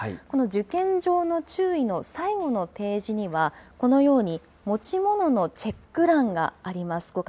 この受験上の注意の最後のページには、このように、持ち物のチェック欄があります。